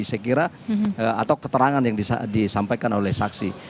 saya kira atau keterangan yang disampaikan oleh saksi